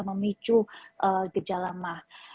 memicu gejala mahal